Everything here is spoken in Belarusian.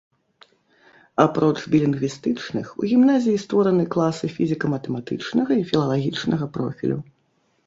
Апроч білінгвістычных, у гімназіі створаны класы фізіка-матэматычнага і філалагічнага профілю.